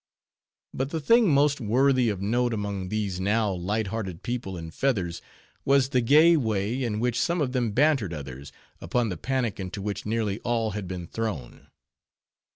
But the thing most worthy of note among these now light hearted people in feathers, was the gay way in which some of them bantered others, upon the panic into which nearly all had been thrown.